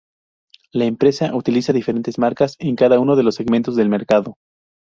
La empresa utiliza diferentes marcas en cada uno de los segmentos del mercado.